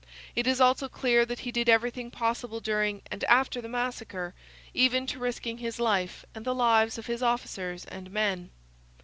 It is also clear that he did everything possible during and after the massacre, even to risking his life and the lives of his officers and men.